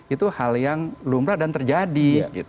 itu hal yang lumrah dan terjadi